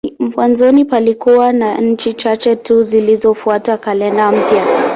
Mwanzoni palikuwa na nchi chache tu zilizofuata kalenda mpya.